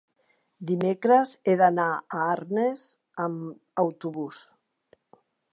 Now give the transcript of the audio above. dimecres he d'anar a Arnes amb autobús.